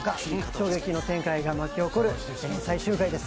衝撃の展開が巻き起こる最終回です。